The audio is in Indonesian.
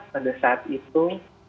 pada saat itu